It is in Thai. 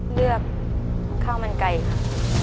เลือกข้าวมันไก่ค่ะ